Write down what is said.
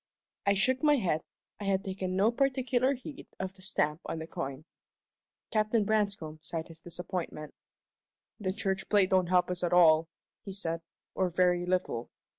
I shook my head. I had taken no particular heed of the stamp on the coin. Captain Branscome sighed his disappointment. "The church plate don't help us at all," he said, "or very little.